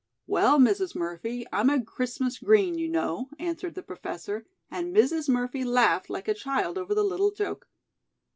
"Well, Mrs. Murphy, I'm a Christmas Green, you know," answered the Professor, and Mrs. Murphy laughed like a child over the little joke.